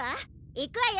いくわよ！